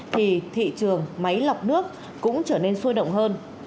thì thị trường máy lọc nước cũng trở nên sôi động hơn